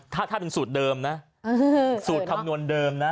ถ้าเป็นสูตรเดิมนะสูตรคำนวณเดิมนะ